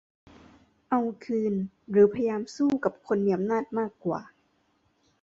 เอาคืนหรือพยายามสู้กับคนมีอำนาจมากกว่า